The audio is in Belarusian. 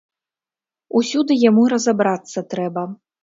Усюды яму разабрацца трэба.